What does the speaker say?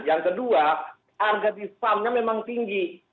yang kedua harga di farmnya memang tinggi